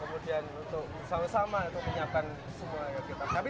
kemudian untuk bersama sama untuk menyiapkan semua yang kita cari